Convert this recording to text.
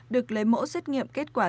được lấy mẫu xét nghiệm kết quả